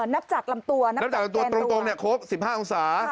นับจักรลำตัวนับจักรแกนรวมนับจักรลำตัวตรงโค้ง๑๕องศา